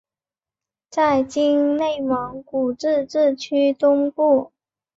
在今内蒙古自治区东部。